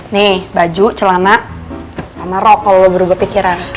nih baju celana sama rok kalau lo berubah pikiran